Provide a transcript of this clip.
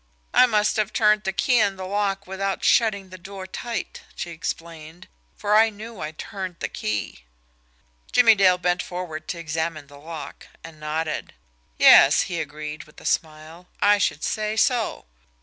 "I must have turned the key in the lock without shutting the door tight," she explained, "for I knew I turned the key." Jimmie Dale bent forward to examine the lock and nodded. "Yes," he agreed, with a smile. "I should say so."